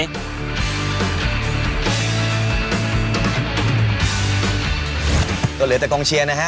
แล้วเหลือกล้องเชียร์นะฮะ